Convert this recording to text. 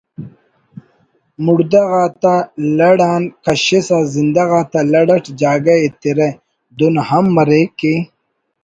مڑدہ غاتا لڑ آن کشسا زندہ غاتا لڑ اٹ جاگہ ایترہ دن ہم مریک کہ